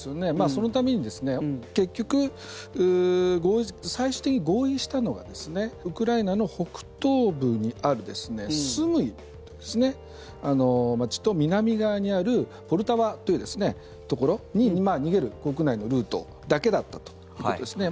そのために結局最終的に合意したのがウクライナの北東部にあるスムイという街と南側にあるポルタワというところに逃げる国内のルートだけだったということですね。